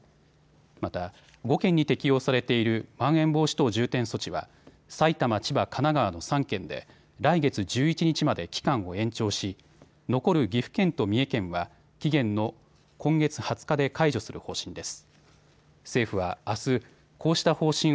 また５県に適用されているまん延防止等重点措置は埼玉、千葉、神奈川の３県で来月１１日まで期間を延長し残る岐阜県と三重県は期限の今月２０日で解除する方針です。